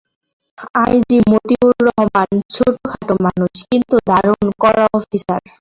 I G Motiur Rahman ছোটখাটো মানুষ, কিন্তু দারুণ কড়া অফিসার।